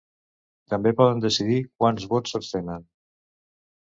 També poden decidir quants vots s’abstenen.